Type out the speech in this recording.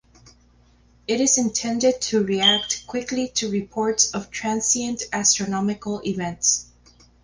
It is intended to react quickly to reports of transient astronomical events.